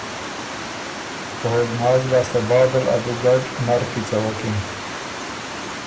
او لماز لاسته بعدل ا دُوګډ نر کی څَوَکِن۔